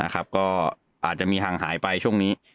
ก็อาจจะมีห่างหายไปช่วงนี้